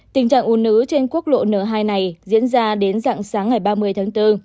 tình trạng ủn nữ trên quốc lộ n hai này diễn ra đến dặn sáng ngày ba mươi tháng bốn